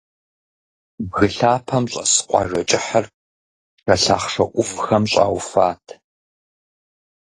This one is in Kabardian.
Бгы лъапэм щӀэс къуажэ кӀыхьыр пшэ лъахъшэ Ӏувхэм щӀауфат.